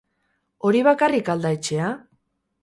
Hori bakarrik al da etxea?